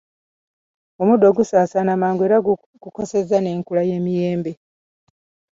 Omuddo gusaasaana mangu era gukosezza n'enkula y'emiyembe.